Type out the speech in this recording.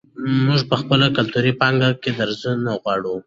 موږ په خپله کلتوري پانګه کې درز نه غواړو.